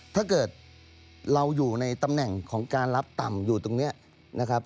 ถ้าเกิดเราอยู่ในตำแหน่งของการรับต่ำอยู่ตรงนี้นะครับ